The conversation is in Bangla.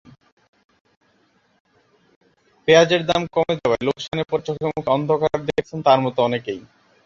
পেঁয়াজের দাম কমে যাওয়ায় লোকসানে পড়ে চোখেমুখে অন্ধকার দেখছেন তাঁর মতো অনেকেই।